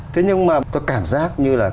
thế nhưng mà tôi cảm giác như là